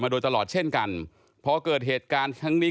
มาโดยตลอดเช่นกันหรือเกิดเกิดขนะคะนทั้งนี้